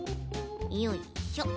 よいしょ。